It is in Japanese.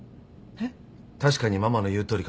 えっ！？